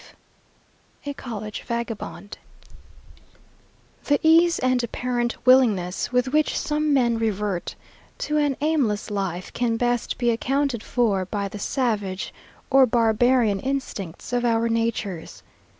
V A COLLEGE VAGABOND The ease and apparent willingness with which some men revert to an aimless life can best be accounted for by the savage or barbarian instincts of our natures.